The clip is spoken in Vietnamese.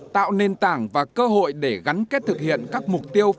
tạo nền tảng và cơ hội để gắn kết thực hiện các mục tiêu